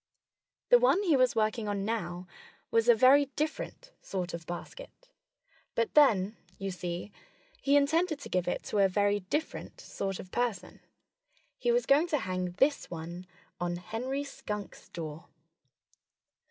The one he was working on now was a very different sort of basket. But then you see, he intended to give it to a very different sort of person. He was going to hang this one on Henry Skunk's door.